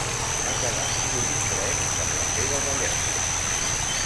Va quedar ullprès per la seva bellesa.